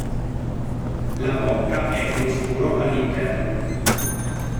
La bocca è blu scuro all'interno.